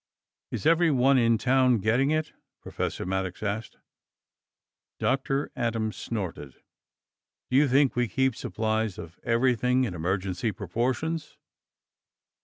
"Is everyone in town getting it?" Professor Maddox asked. Dr. Adams snorted. "Do you think we keep supplies of everything in emergency proportions?